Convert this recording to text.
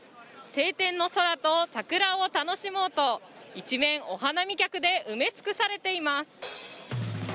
晴天の空と桜を楽しもうと一面、お花見客で埋め尽くされています。